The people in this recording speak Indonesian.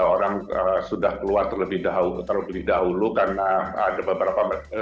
orang sudah keluar terlebih dahulu karena ada beberapa